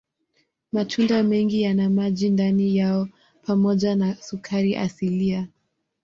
Matunda mengi yana maji ndani yao pamoja na sukari asilia.